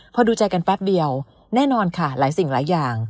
พอดูใจกันแป๊บเดียวแน่นอนค่ะหลายสิ่งหลายอย่าง